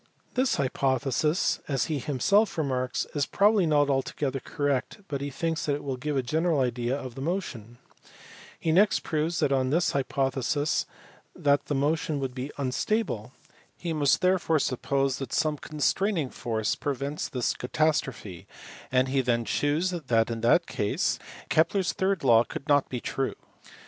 This hypothesis, as he himself remarks, is probably not altogether correct, but he thinks that it will give a general idea of the motion. He next proves that on this hypo thesis the motion would be unstable. He must therefore suppose that some constraining force prevents this catastrophe, and he then shews that in that case Kepler s third law could not be true.